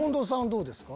どうですか？